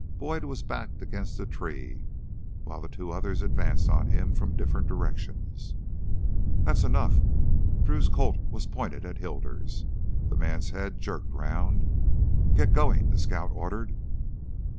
Boyd was backed against a tree while the two others advanced on him from different directions. "That's enough!" Drew's Colt was pointed at Hilders. The man's head jerked around. "Get goin'," the scout ordered.